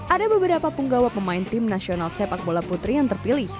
ada beberapa punggawa pemain tim nasional sepak bola putri yang terpilih